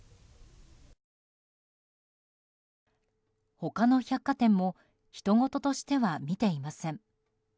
他の百貨店もひとごととしては見ていません。